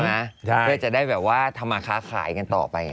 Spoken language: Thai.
รู้ป่าวไหมใช่เพื่อจะได้แบบว่าธรรมคาขายกันต่อไปอ่ะ